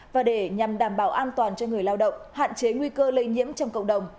và để nhằm đảm bảo an toàn cho người lao động hạn chế nguy cơ lây nhiễm trong cộng đồng